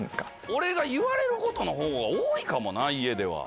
俺が言われることのほうが多いかもな家では。